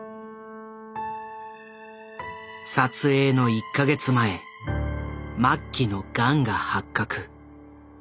撮影の１か月前末期のガンが発覚。